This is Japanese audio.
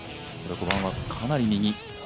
５番はかなり右。